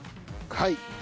はい。